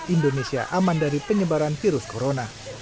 indonesia aman dari penyebaran virus corona